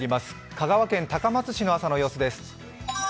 香川県高松市の朝の様子です。